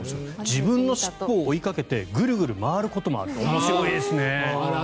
自分の尻尾を追いかけてぐるぐる回ることもある面白いですね。